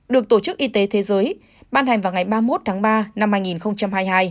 được tổ chức y tế thế giới ban hành vào ngày ba mươi một tháng ba năm hai nghìn hai mươi hai